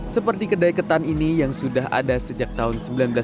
seperti kedai ketan ini yang sudah ada sejak tahun seribu sembilan ratus sembilan puluh